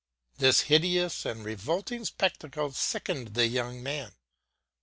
This hideous and revolting spectacle sickened the young man.